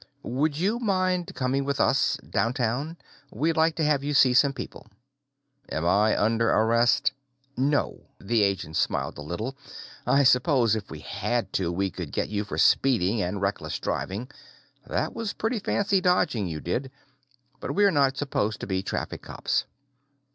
"Would you mind coming with us downtown? We'd like to have you see some people." "Am I under arrest?" "No." The agent smiled a little. "I suppose, if we had to, we could get you for speeding and reckless driving; that was pretty fancy dodging you did. But we're not supposed to be traffic cops."